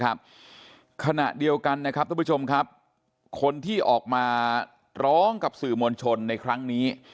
ขณะเดียวกันนะครับทุกผู้ชมครับคนที่ออกมาร้องกับสื่อมวลชนในครั้งนี้